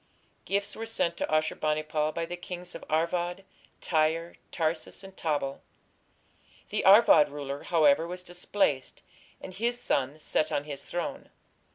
Gifts were sent to Ashur bani pal by the kings of Arvad, Tyre, Tarsus, and Tabal. The Arvad ruler, however, was displaced, and his son set on his throne.